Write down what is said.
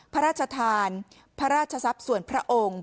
พระราชทานพระราชทรัพย์ส่วนพระองค์